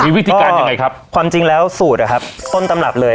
มีวิธีการยังไงครับความจริงแล้วสูตรอะครับต้นตำรับเลย